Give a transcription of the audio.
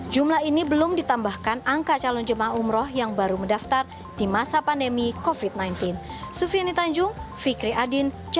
jumlah ini belum ditambahkan angka calon jemaah umroh yang baru mendaftar di masa pandemi covid sembilan belas